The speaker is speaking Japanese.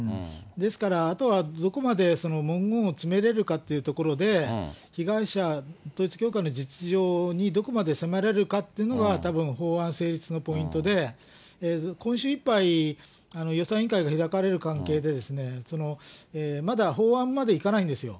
ですから、あとはどこまで文言を詰めれるかっていうところで、被害者、統一教会の実情にどこまで迫られるかというのが、たぶん、法案成立のポイントで、今週いっぱい予算委員会が開かれる関係で、まだ法案までいかないんですよ。